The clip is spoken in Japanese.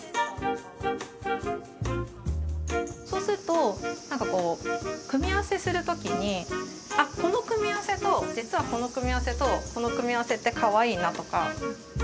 そうするとなんかこう組み合わせする時にあこの組み合わせと実はこの組み合わせとこの組み合わせってかわいいなとか。